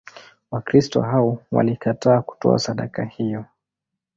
Wakristo hao walikataa kutoa sadaka hiyo.